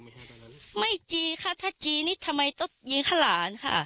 ไม่ใช่ตอนนั้นไม่จริงค่ะถ้าจริงนี่ทำไมต้องยิงข้างหลานค่ะ